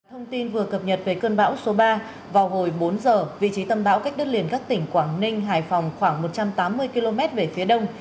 thông tin vừa cập nhật về cơn bão số ba vào hồi bốn giờ vị trí tâm bão cách đất liền các tỉnh quảng ninh hải phòng khoảng một trăm tám mươi km về phía đông